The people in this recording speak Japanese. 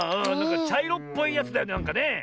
ちゃいろっぽいやつだよねなんかね。